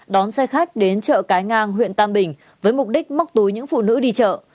đón xe khách đến chợ cái ngang huyện tam bình với mục đích móc túi những phụ nữ đi chợ